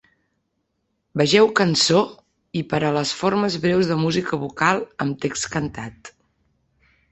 Vegeu Cançó i per a les formes breus de música vocal amb text cantat.